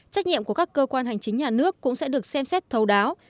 trách nhiệm của các cơ quan hành chính nhà nước cũng sẽ được xem xét thấu đáo